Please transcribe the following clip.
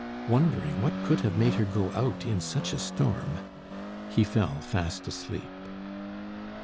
Wondering what could have made her go out in such a storm, he fell fast asleep.